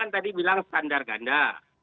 tadi bilang standar ganda